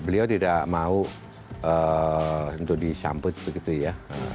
beliau tidak mau untuk disambut begitu ya